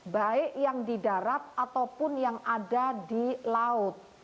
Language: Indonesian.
baik yang di darat ataupun yang ada di laut